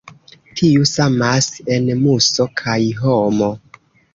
Tiu samas en muso kaj homo.